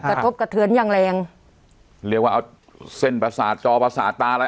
กระทบกระเทือนอย่างแรงเรียกว่าเอาเส้นประสาทจอประสาทตาอะไร